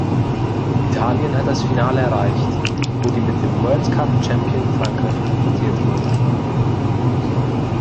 Italien hat das Finale erreicht, wo die mit dem World Cup Champion Frankreich konfrontiert wurden.